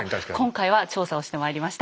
今回は調査をしてまいりました。